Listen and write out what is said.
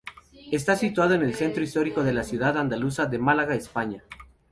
Está situado en el centro histórico de la ciudad andaluza de Málaga, España.